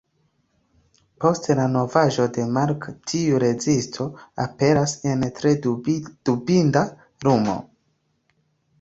Post la novaĵo de Mark tiu rezisto aperas en tre dubinda lumo.